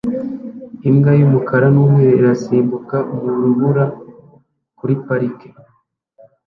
Imbwa y'umukara n'umweru irasimbuka mu rubura kuri parike